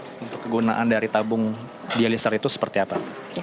untuk kegunaan dari tabung dialiser itu seperti apa